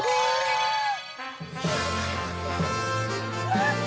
やった！